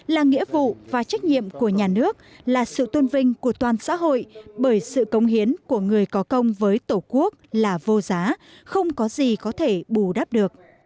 là nghĩa vụ và trách nhiệm của nhà nước là sự tôn vinh của toàn xã hội bởi sự công hiến của người có công với tổ quốc là vô giá không có gì có thể bù đắp được